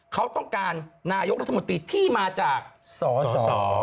เขาต้องการนายกรัฐมนตรีที่มาจากสส